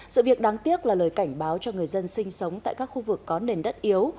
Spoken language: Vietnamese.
sự việc đáng tiếc là lời cảnh báo cho người dân sinh sống tại các khu vực có nền đất yếu